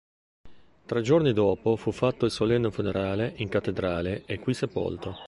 Tre giorni dopo fu fatto il solenne funerale in cattedrale e qui sepolto.